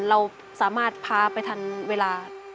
เราสามารถพาไปทันเวลา